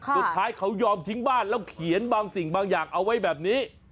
สุดท้ายเขายอมทิ้งบ้านแล้วเขียนบางสิ่งบางอย่างเอาไว้แบบนี้